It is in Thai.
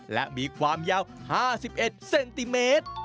และมีความยาว๕๑เซนติเมตร